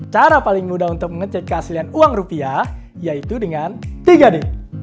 cara paling mudah untuk mengecek keaslian uang rupiah yaitu dengan tiga d